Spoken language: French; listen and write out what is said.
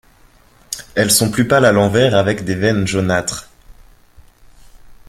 Elles sont plus pâles à l'envers avec des veines jaunâtres.